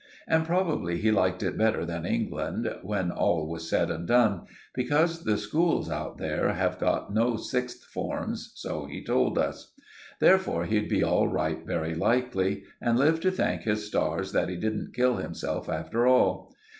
And probably he liked it better than England, when all was said and done; because the schools out there have got no sixth forms, so he told us. Therefore he'll be all right very likely—and live to thank his stars that he didn't kill himself after all.